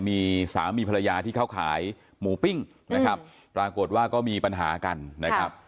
มีสามีภรรยาที่เขาขายหมูปิ้งนะครับปรากฏว่าก็มีปัญหากันนะครับ